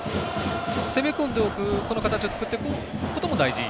攻め込んでおく形を作っておくことも大事？